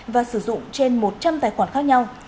và sử dụng trên một trăm linh tài khoản khác nhau